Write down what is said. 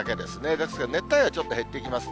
ですから熱帯夜、ちょっと減っていきます。